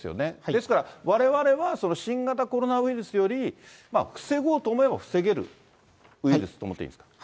ですからわれわれは、その新型コロナウイルスより、防ごうと思えば防げるウイルスと思っていいんですか。